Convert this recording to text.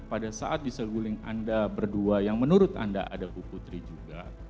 pada saat di seguling anda berdua yang menurut anda ada bu putri juga